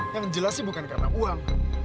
yang jelas sih bukan karena uang